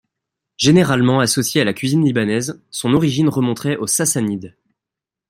Généralement associé à la cuisine libanaise, son origine remonterait aux Sassanides.